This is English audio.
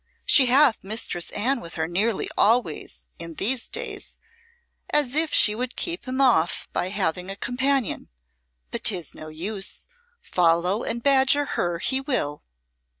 "She hath Mistress Anne with her nearly always in these days, as if she would keep him off by having a companion; but 'tis no use, follow and badger her he will."